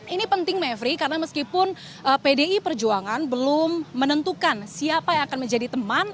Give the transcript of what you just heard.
ini penting mevri karena meskipun pdi perjuangan belum menentukan siapa yang akan menjadi teman